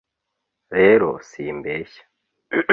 rero simbeshya